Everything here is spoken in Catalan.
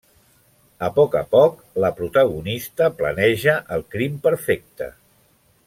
A poc a poc, la protagonista planeja el crim perfecte.